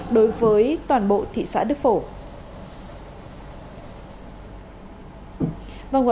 đối với toàn bộ thị xã đức phổ